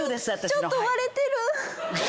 ちょっと割れてる！